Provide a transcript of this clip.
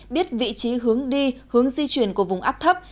biết vị trí hướng đi hướng di chuyển của vùng áp thấp